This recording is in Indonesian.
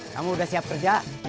kamu udah siap kerja